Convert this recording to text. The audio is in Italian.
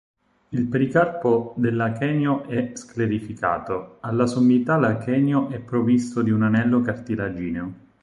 Il pericarpo dell'achenio è sclerificato; alla sommità l'achenio è provvisto di un anello cartilagineo.